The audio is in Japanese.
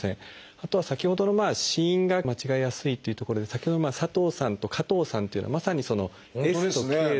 あとは先ほどの子音が間違えやすいっていうところで先ほど「佐藤さん」と「加藤さん」っていうのはまさに「Ｓ」と「Ｋ」で。